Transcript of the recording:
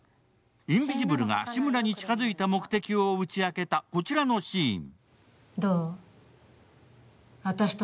インビジブルが志村に近づいた目的を打ち明けた、こちらのシーン